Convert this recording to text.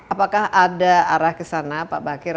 apakah ada arah kesana pak bakir